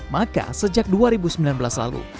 maka sejak dua ribu sembilan belas lalu